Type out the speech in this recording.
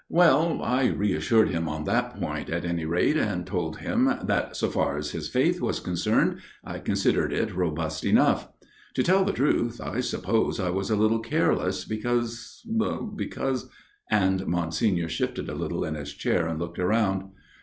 " Well, I reassured him on that point, at any rate, and told him that, so far as his faith was concerned, I considered it robust enough. To tell the truth, I suppose I was a little careless, because because " and Monsignor shifted a little in his chair and looked round.